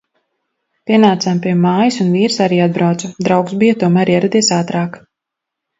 Pienācām pie mājas un vīrs arī atbrauca. Draugs bija tomēr ieradies ātrāk.